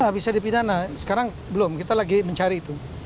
bisa dipidana sekarang belum kita lagi mencari itu